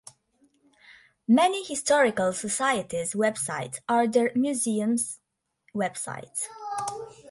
Many historical societies websites are their museums' websites.